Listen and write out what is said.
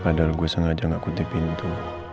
padahal gue sengaja gak kutip pintu